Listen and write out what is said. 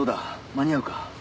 間に合うか？